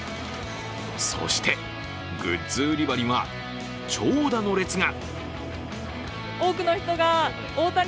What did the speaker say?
そして、グッズに売り場には長蛇の列が！